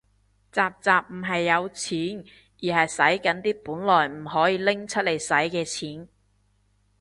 宅宅唔係有錢，而係洗緊啲本來唔可以拎嚟洗嘅錢